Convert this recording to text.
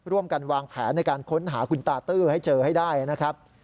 ร่วมกันวางแผนในการค้นหาคุณตาตื้อให้เจอให้ได้นะครับ